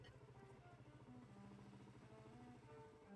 Napenda malaika.